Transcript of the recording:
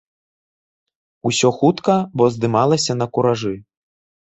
Усё хутка, бо здымалася на куражы.